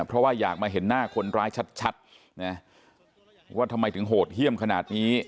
เพราะว่าอยากมาเห็นหน้าคนร้ายชัดนะว่าทำไมถึงโหดเยี่ยมขนาดนี้